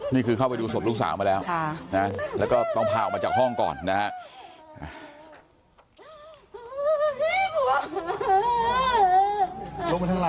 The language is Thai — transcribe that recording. เข้าไปดูศพลูกสาวมาแล้วแล้วก็ต้องพาออกมาจากห้องก่อนนะฮะ